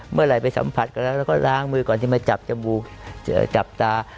เมื่อไหร่ไปสัมผัสกันแล้วแล้วก็ล้างมือก่อนที่มาจับจมูกจับตา